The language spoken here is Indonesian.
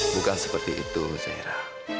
bukan seperti itu zahira